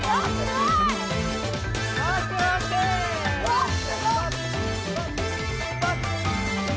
わっすごい！